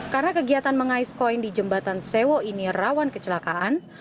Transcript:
karena kegiatan mengais koin di jembatan sewo ini rawan kecelakaan